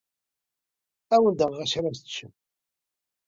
Ad awen-d-aɣeɣ d acu ara teččem.